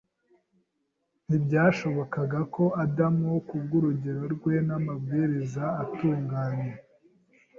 ntibyashobokaga ko Adamu, kubw’urugero rwe n’amabwiriza atunganye,